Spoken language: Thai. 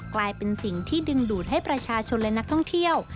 กลายเป็นสิ่งที่ดึงดูดให้ประชาชนและนักท่องเที่ยว